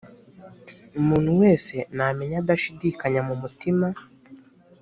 umuntu wese namenye adashidikanya mu mutima